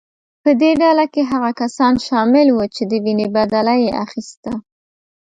په دې ډله کې هغه کسان شامل وو چې د وینې بدله یې اخیسته.